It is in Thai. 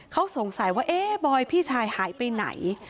เขาสงสัยว่าเอ๊ะบอยพี่ชายหายไปไหน